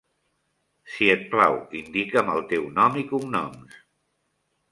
Si et plau, indica'm el teu nom i cognoms.